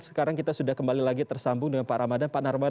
sekarang kita sudah kembali lagi tersambung dengan pak ramadhan